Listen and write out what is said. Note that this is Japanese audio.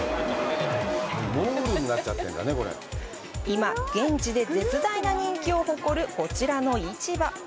今、現地で絶大な人気を誇るこちらの市場。